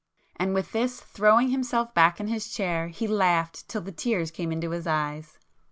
And with this, throwing himself back in his chair, he laughed till the tears came into his eyes.